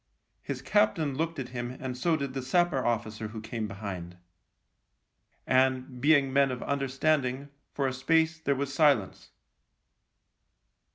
His captain looked at him and so did the sapper officer who came behind ; and, being men of understanding, for a space there was silence.